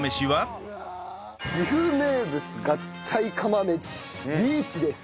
岐阜名物合体釜飯リーチです。